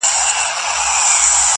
o حقيقت لا هم نيمګړی ښکاري ډېر,